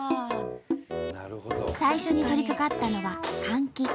最初に取りかかったのは換気。